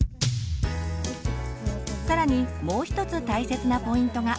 さらにもう一つ大切なポイントが。